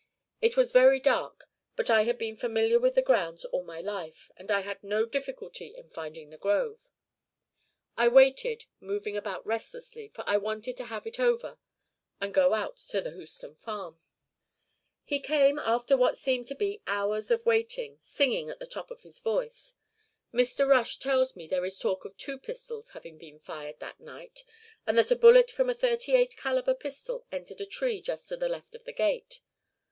It was very dark, but I had been familiar with the grounds all my life and I had no difficulty in finding the grove. I waited, moving about restlessly, for I wanted to have it over and go out to the Houston farm. "He came after what had seemed to be hours of waiting, singing at the top of his voice. Mr. Rush tells me there is talk of two pistols having been fired that night, and that a bullet from a thirty eight calibre pistol entered a tree just to the left of the gate.